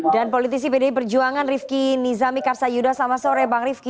dan politisi bdi perjuangan rifki nizami karsayuda selamat sore bang rifki